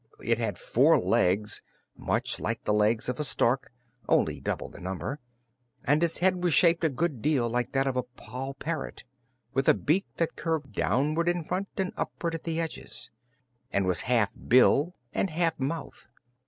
It had four legs much like the legs of a stork, only double the number and its head was shaped a good deal like that of a poll parrot, with a beak that curved downward in front and upward at the edges, and was half bill and half mouth.